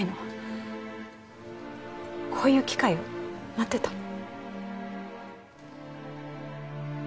こういう機会を待ってたの。